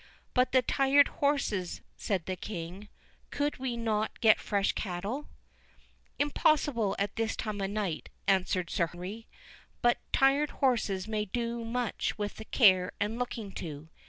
"But the tired horses," said the King—"could we not get fresh cattle?" "Impossible at this time of night," answered Sir Henry; "but tired horses may do much with care and looking to."